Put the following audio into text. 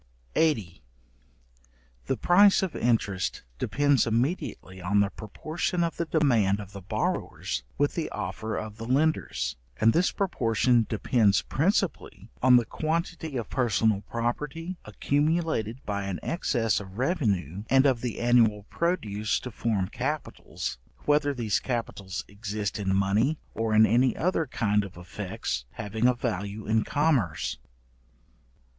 §80. The price of interest depends immediately on the proportion of the demand of the borrowers, with the offer of the lenders, and this proportion depends principally on the quantity of personal property, accumulated by an excess of revenue and of the annual produce to form capitals, whether these capitals exist in money or in any other kind of effects having a value in commerce.